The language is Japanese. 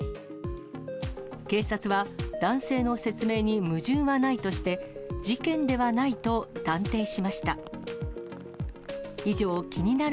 警察は、男性の説明に矛盾はないとして、事件ではないと断定しました。